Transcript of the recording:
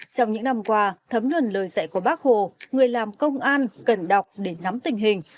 trong những năm qua thấm nhuận lời dạy của bác hồ người làm công an cần đọc để nắm tình hình